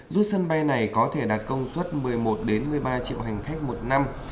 giúp sân bay này có thể đạt công suất một mươi một một mươi ba triệu hành khách một năm